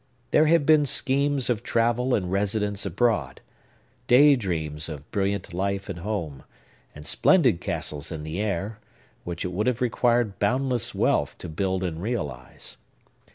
There had been schemes of travel and residence abroad, day dreams of brilliant life at home, and splendid castles in the air, which it would have required boundless wealth to build and realize.